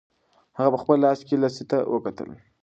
هغه په خپل لاس کې لسی ته وکتل.